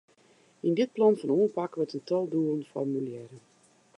Yn dit plan fan oanpak wurdt in tal doelen formulearre.